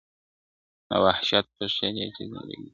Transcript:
د وحشت؛ په ښاریه کي زندگي ده